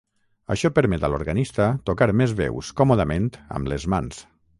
Això permet a l'organista tocar més veus còmodament amb les mans.